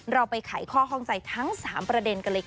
เราไปไขข้อข้องใจทั้ง๓ประเด็นกันเลยค่ะ